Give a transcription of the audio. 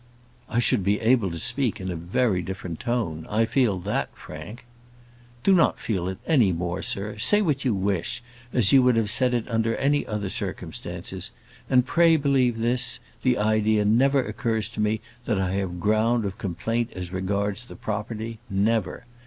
"I should be able to speak in a very different tone; I feel that, Frank." "Do not feel it any more, sir; say what you wish, as you would have said it under any other circumstances; and pray believe this, the idea never occurs to me, that I have ground of complaint as regards the property; never.